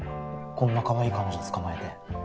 こんなかわいい彼女つかまえて。